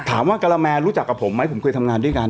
ถามว่ากะละแมรู้จักกับผมไหมผมเคยทำงานด้วยกัน